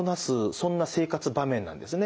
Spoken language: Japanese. そんな生活場面なんですね。